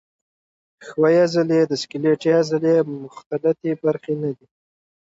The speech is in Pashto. ښویې عضلې د سکلیټي عضلې مخططې برخې نه لري.